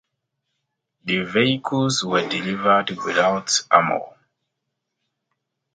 The vehicles were delivered without armour.